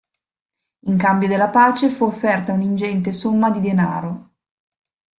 In cambio della pace fu offerta una ingente somma di denaro.